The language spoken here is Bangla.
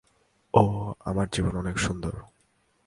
ওহ, আমার জীবন অনেক সুন্দর।